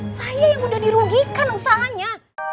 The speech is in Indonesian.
saya yang udah dirugikan usahanya